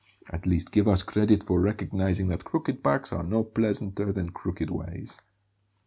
At least give us credit for recognizing that crooked backs are no pleasanter than crooked ways.